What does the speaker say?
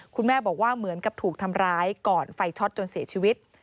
คุณแม่บอกว่าเหมือนกับถูกทำร้ายก่อนไฟช็อตจนเสียชีวิต